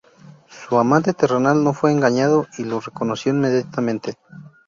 Su amante terrenal no fue engañado y la reconoció inmediatamente.